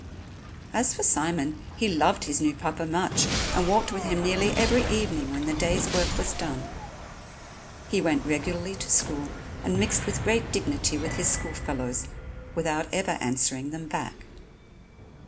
As for Simon, he loved his new Papa much, and walked with him nearly every evening when the day's work was done. He went regularly to school and mixed with great dignity with his school fellows without ever answering them back.